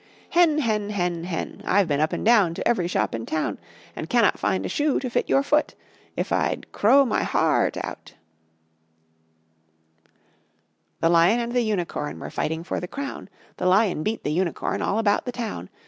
"Hen, hen, hen, hen, I've been up and down To every shop in town, And cannot find a shoe To fit your foot, If I'd crow my hea art out." The lion and the unicorn Were fighting for the crown. The lion beat the unicorn All about the town.